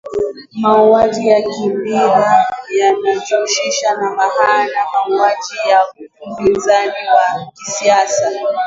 mauaji ya kimbari yanajumuisha maana ya mauaji ya wapinzani wa kisiasa